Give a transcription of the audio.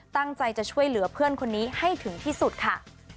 ตั้งใจจะช่วยเหลือเพื่อนคนนี้ให้ถึงที่สุดค่ะ